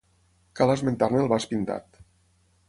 Cal esmentar-ne el vas pintat.